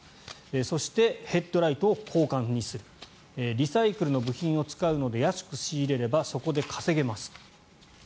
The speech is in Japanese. そしてヘッドライトを交換にするリサイクルの部品を使うので安く仕入れればそこで稼げます。